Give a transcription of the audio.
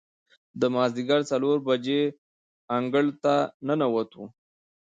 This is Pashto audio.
د مازدیګر څلور بجې انګړ ته ننوتو.